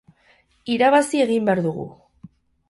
Irabazi egin behar dugu.